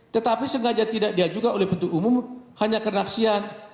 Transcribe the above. tetapi sengaja tidak diajukan oleh pendutup umum hanya karena saksian